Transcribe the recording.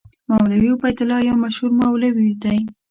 مولوي عبیدالله یو مشهور مولوي دی.